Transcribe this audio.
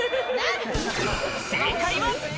正解は。